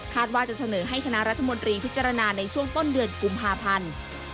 ว่าจะเสนอให้คณะรัฐมนตรีพิจารณาในช่วงต้นเดือนกุมภาพันธ์